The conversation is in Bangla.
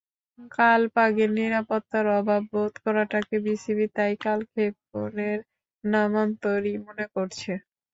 কালপাগের নিরাপত্তার অভাব বোধ করাটাকে বিসিবি তাই কালক্ষেপণের নামান্তরই মনে করছে।